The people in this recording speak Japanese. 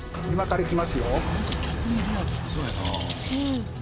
今からいきますよ。